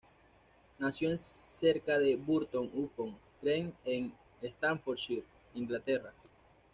Nació cerca de Burton upon Trent en Staffordshire, Inglaterra.